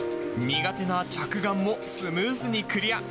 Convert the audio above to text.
苦手な着岸もスムーズにクリア。